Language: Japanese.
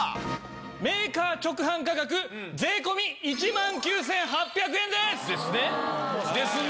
メーカー直販価格税込１万９８００円です！ですねですね。